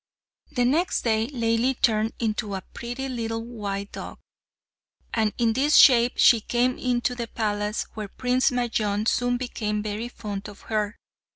The next day Laili turned into a pretty little dog; and in this shape she came into the palace, where Prince Majnun soon became very fond of her.